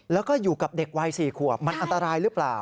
แล้วก็อยู่กับเด็กวัย๔ขวบมันอันตรายหรือเปล่า